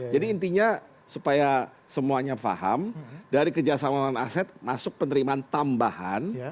jadi intinya supaya semuanya paham dari kerjasama penguatan aset masuk penerimaan tambahan